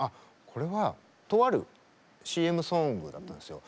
これはとあるＣＭソングだったんですよ。